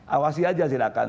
awasi aja silahkan